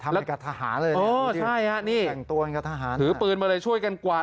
ทำให้กระทะหาเลยอ๋อใช่ฮะนี่แต่งตัวให้กระทะหาถือปืนมาเลยช่วยกันกวาด